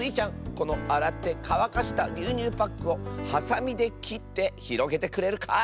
このあらってかわかしたぎゅうにゅうパックをはさみできってひろげてくれるかい？